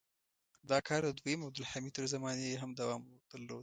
دا کار د دویم عبدالحمید تر زمانې یې هم دوام درلود.